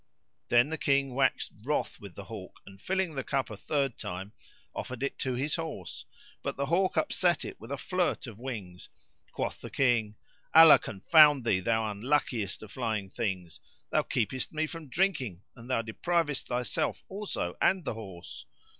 Then the King waxed wroth with the hawk and filling the cup a third time offered it to his horse: but the hawk upset it with a flirt of wings. Quoth the King, "Allah confound thee, thou unluckiest of flying things! thou keepest me from drinking, and thou deprivest thyself also, and the horse."